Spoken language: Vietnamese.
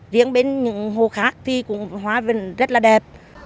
đến những hồ khác thì hoa vẫn rất là đẹp